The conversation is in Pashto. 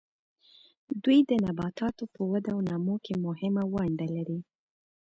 دوی د نباتاتو په وده او نمو کې مهمه ونډه لري.